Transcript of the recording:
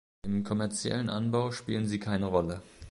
Im kommerziellen Anbau spielen sie keine Rolle.